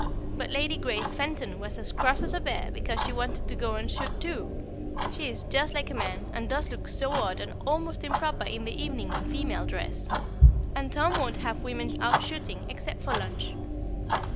But Lady Grace Fenton was as cross as a bear because she wanted to go and shoot too. She is just like a man, and does look so odd and almost improper in the evening in female dress. And Tom won't have women out shooting, except for lunch.